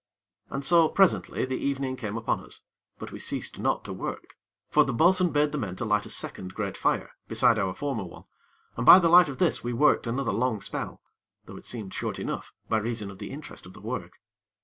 And so, presently, the evening came upon us; but we ceased not to work; for the bo'sun bade the men to light a second great fire, beside our former one, and by the light of this we worked another long spell; though it seemed short enough, by reason of the interest of the work.